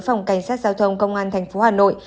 phòng cảnh sát giao thông công an tp hà nội